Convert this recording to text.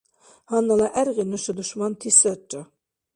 Гьаннала гӀергъи нуша душманти сарра.